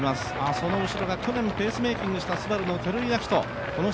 その後ろが去年ペースメイキングしたＳＵＢＡＲＵの照井明人。